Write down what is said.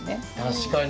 確かに。